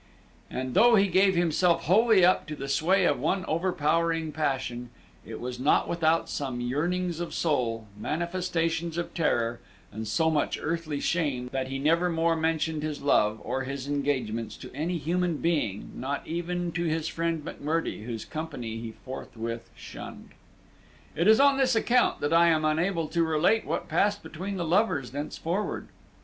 And though he gave himself wholly up to the sway of one overpowering passion, it was not without some yearnings of soul, manifestations of terror, and so much earthly shame, that he never more mentioned his love, or his engagements, to any human being, not even to his friend M'Murdie, whose company he forthwith shunned. It is on this account that I am unable to relate what passed between the lovers thenceforward.